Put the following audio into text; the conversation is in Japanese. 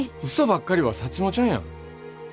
うそばっかりはサッチモちゃんやん。